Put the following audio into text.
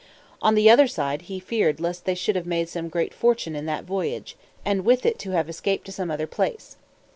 On the other side, he feared lest they should have made some great fortune in that voyage, and with it have escaped to some other place.